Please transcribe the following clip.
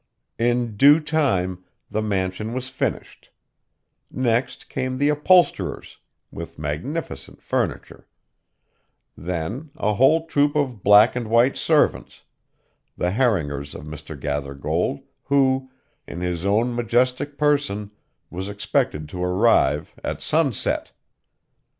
In due time, the mansion was finished; next came the upholsterers, with magnificent furniture; then, a whole troop of black and white servants, the haringers of Mr. Gathergold, who, in his own majestic person, was expected to arrive at sunset.